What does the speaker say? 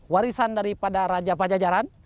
warisan daripada raja pajajaran